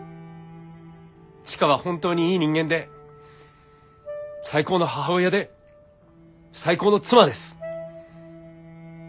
千佳は本当にいい人間で最高の母親で最高の妻です。